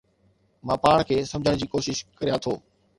مان پاڻ کي سمجهڻ جي ڪوشش ڪريان ٿو